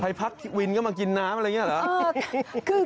พักวินก็มากินน้ำอะไรอย่างนี้เหรอ